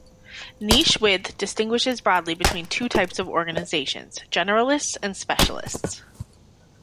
Niche width distinguishes broadly between two types of organizations: generalists and specialists.